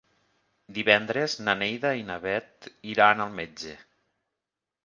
Divendres na Neida i na Bet iran al metge.